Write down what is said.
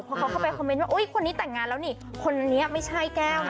พอเขาเข้าไปคอมเมนต์ว่าคนนี้แต่งงานแล้วนี่คนนี้ไม่ใช่แก้วนะ